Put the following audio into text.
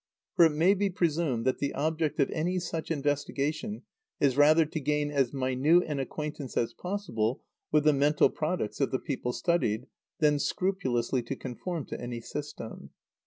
For it may be presumed that the object of any such investigation is rather to gain as minute an acquaintance as possible with the mental products of the people studied, than scrupulously to conform to any system.